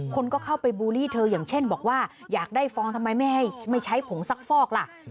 คนก็เข้าไปบูลลี่เธออย่างเช่นบอกว่าอยากได้ฟองทำไมไม่ให้ไม่ใช้ผงซักฟอกล่ะ